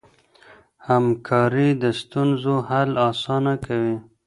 همکاري د ستونزو حل اسانه کوي.